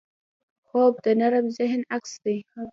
خوب د نرم ذهن عکس دی